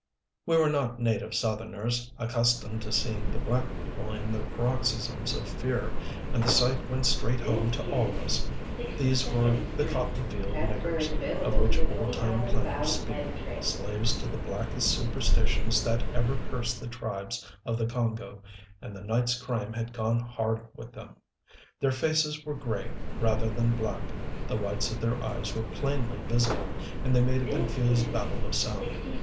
We were not native southerners, accustomed to seeing the black people in their paroxysms of fear, and the sight went straight home to all of us. These were the "cotton field niggers" of which old time planters speak, slaves to the blackest superstitions that ever cursed the tribes of the Congo, and the night's crime had gone hard with them. Their faces were gray, rather than black, the whites of their eyes were plainly visible, and they made a confused babble of sound.